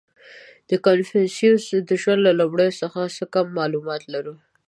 • د کنفوسیوس د ژوند له لومړیو څخه کم معلومات لرو.